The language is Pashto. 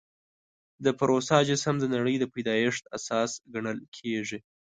د پوروسا جسم د نړۍ د پیدایښت اساس ګڼل کېږي.